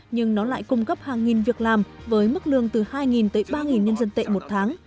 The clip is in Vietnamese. nhưng nó lại cung cấp hàng nghìn việc làm với mức lương từ hai tới ba nhân dân tệ một tháng